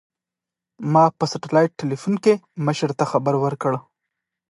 ما په سټلايټ ټېلفون کښې مشر ته خبر وركړ.